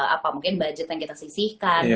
apa mungkin budget yang kita sisihkan